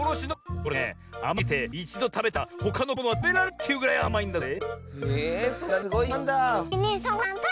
これねあますぎていちどたべたらほかのくだものはたべられないっていうぐらいあまいんだぜ。